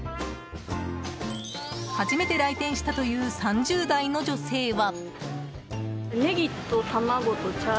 初めて来店したという３０代の女性は。